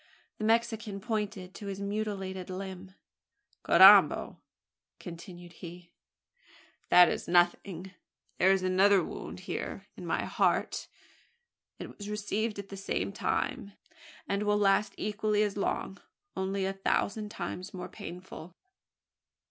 The Mexican pointed to his mutilated limb. "Carrambo!" continued he, "that is nothing. There is another wound here here in my heart. It was received at the same time; and will last equally as long only a thousand times more painful."